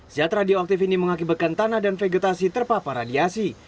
zat radioaktif ini mengakibatkan tanah dan vegetasi terpapar radiasi